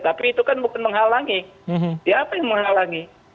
tapi itu kan bukan menghalangi